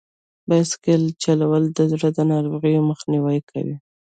بایسکل چلول د زړه د ناروغیو مخنیوی کوي.